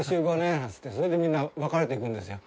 なんつってそれでみんな分かれていくんですよ。